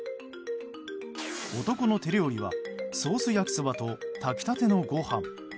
男の手料理はソース焼きそばと炊き立てのご飯。